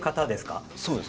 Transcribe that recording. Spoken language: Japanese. そうですね。